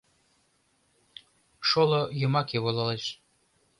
Шоло йымаке волалеш